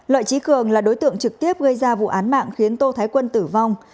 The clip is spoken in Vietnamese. lợi trí cường là đối tượng trực tiếp gây ra vụ án mạng khiến tô thái quân tử vong